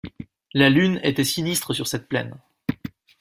La lune était sinistre sur cette plaine.